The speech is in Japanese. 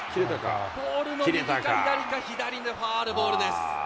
ポールの右か左か、ファウルボールです。